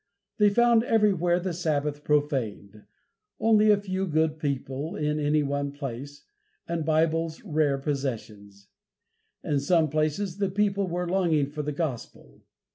They found everywhere the Sabbath profaned, only a few good people in any one place, and Bibles rare possessions. In some places the people were longing for the Gospel.